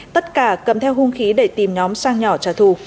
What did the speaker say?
tất cả cầm theo hung khí để tìm nhóm sang nhỏ trả thù